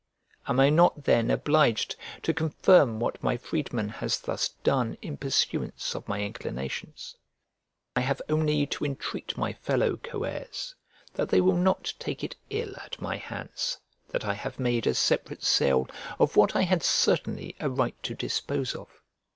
Am I not then obliged to confirm what my freedman has thus done in pursuance of my inclinations? I have only to entreat my fellow coheirs that they will not take it ill at my hands that I have made a separate sale of what I had certainly a right to dispose of.